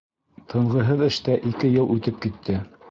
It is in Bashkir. Тынғыһыҙ эштә ике йыл үтеп китте.